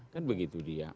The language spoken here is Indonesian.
kan begitu dia